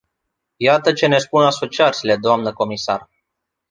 Iată ceea ce ne spun asociațiile, doamnă comisar.